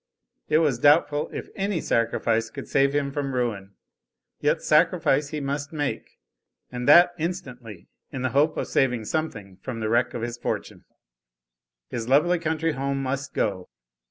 It was doubtful if any sacrifice could save him from ruin. Yet sacrifice he must make, and that instantly, in the hope of saving something from the wreck of his fortune. His lovely country home must go.